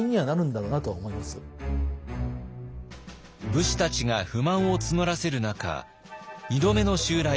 武士たちが不満を募らせる中２度目の襲来